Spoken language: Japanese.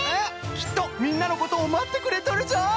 きっとみんなのことをまってくれとるぞい！